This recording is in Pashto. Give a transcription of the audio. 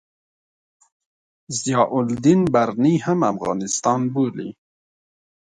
ضیاألدین برني هم افغانستان بولي.